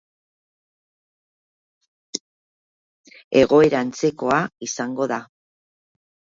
Egoera antzekoa izango da.